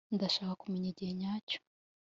ndashaka kumenya igihe nyacyo